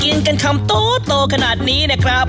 เฮ้ยกินกันคำโตโตขนาดนี้เนี่ยครับ